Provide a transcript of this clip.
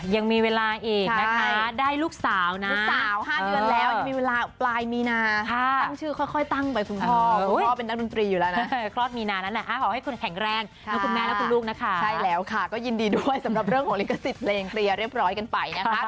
ยังมีเวลาอีกนะคะได้ลูกสาวนะ